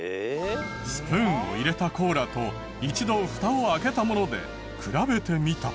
スプーンを入れたコーラと一度フタを開けたもので比べてみた。